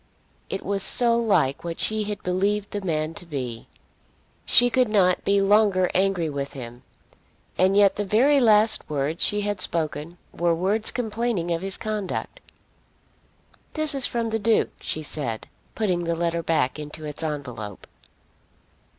It was so like what she had believed the man to be! She could not be longer angry with him. And yet the very last words she had spoken were words complaining of his conduct. "This is from the Duke," she said, putting the letter back into its envelope.